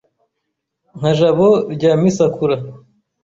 Nka Jabo rya Misakura